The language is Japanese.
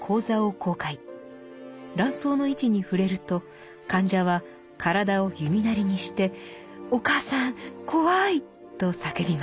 卵巣の位置に触れると患者は体を弓なりにして「お母さん怖い！」と叫びます。